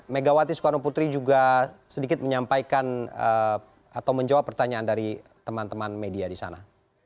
megawati soekarno putri juga sedikit menyampaikan atau menjawab pertanyaan dari teman teman media di sana